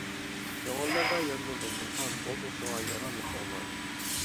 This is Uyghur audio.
كۆڭۈللەردە ياندۇردۇڭ گۈلخان، بولدۇق شۇڭا ياراملىق ئوغلان.